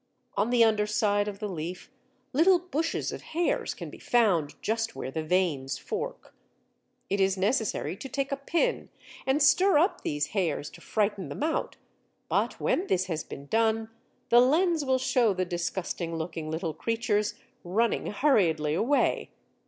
On the under side of the leaf little bushes of hairs can be found just where the veins fork. It is necessary to take a pin and stir up these hairs to frighten them out, but when this has been done, the lens will show the disgusting looking little creatures running hurriedly away.